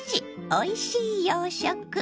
おいしい洋食」。